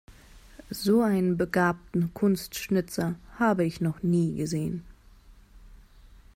So einen begabten Kunstschnitzer habe ich noch nie gesehen.